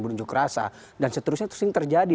buk rasa dan seterusnya terus terjadi